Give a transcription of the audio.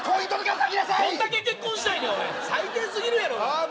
どんだけ結婚したいねんおい最低すぎるやろああ